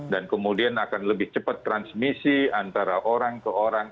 dan kemudian akan lebih cepat transmisi antara orang ke orang